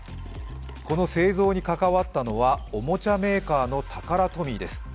この製造にかかわったのはおもちゃメーカーのタカラトミーです。